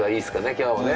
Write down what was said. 今日もね。